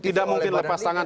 tidak mungkin lepas tangan